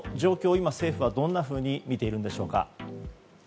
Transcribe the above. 今、政府はどんなふうに見ているんでしょうか。